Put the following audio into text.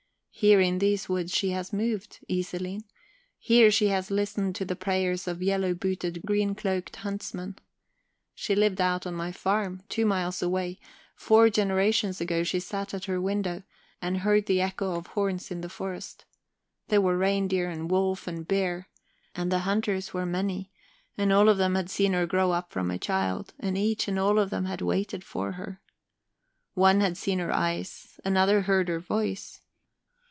Here in these woods she has moved, Iselin; here she has listened to the prayers of yellow booted, green cloaked huntsmen. She lived out on my farm, two miles away; four generations ago she sat at her window, and heard the echo of horns in the forest. There were reindeer and wolf and bear, and the hunters were many, and all of them had seen her grow up from a child, and each and all of them had waited for her. One had seen her eyes, another heard her voice.